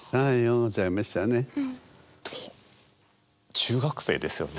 中学生ですよね？